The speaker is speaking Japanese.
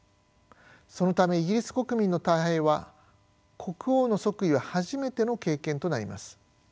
そのためイギリス国民の大半は国王の即位は初めての経験となります。